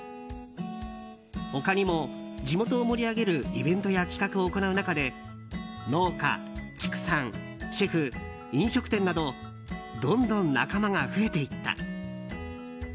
他にも地元を盛り上げるイベントや企画を行う中で農家、畜産、シェフ、飲食店などどんどん仲間が増えていった。